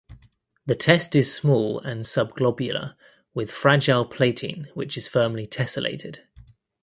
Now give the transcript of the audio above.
The test is small and subglobular with fragile plating which is firmly tessellated.